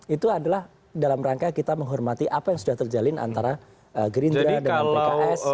itu adalah dalam rangka kita menghormati apa yang sudah terjalin antara gerindra dengan pks